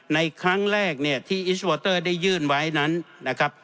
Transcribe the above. ในครั้งแรกเนี่ยที่อิสวอเตอร์ได้ยื่นไว้นั้นนะครับ